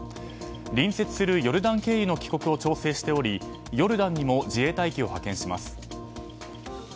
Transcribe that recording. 隣接するヨルダン経由の帰国を調整しており、ヨルダンにも自衛隊機を派遣します。